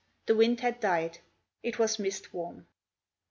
The wind had died; it was mist warm.